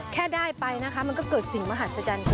แค่ได้ไปนะคะมันก็เกิดสิ่งมหัศจรรย์ขึ้น